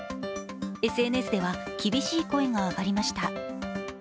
ＳＮＳでは厳しい声が上がりました。